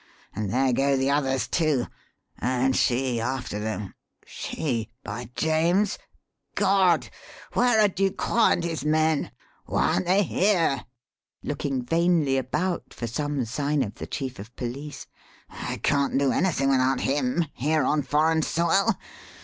And there go the others, too. And she after them she, by James! God! Where are Ducroix and his men? Why aren't they here?" looking vainly about for some sign of the Chief of Police. "I can't do anything without him here, on foreign soil.